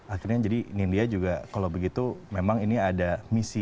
akhirnya jadi nindya juga kalau begitu memang ini ada misi